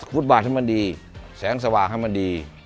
บาทให้มันดีแสงสว่างให้มันดี